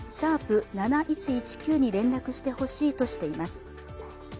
７１１９に連絡してほしいとしています。